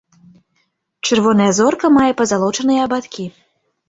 Чырвоная зорка мае пазалочаныя абадкі.